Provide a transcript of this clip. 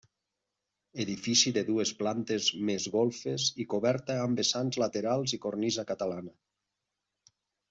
Edifici de dues plantes més golfes i coberta amb vessants laterals i cornisa catalana.